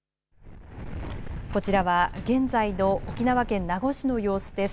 こちらは現在の沖縄県名護市の様子です。